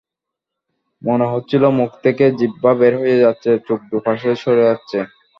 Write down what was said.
মনে হচ্ছিল মুখ থেকে জিহ্বা বের হয়ে যাচ্ছে, চোখ দুপাশে সরে যাচ্ছে।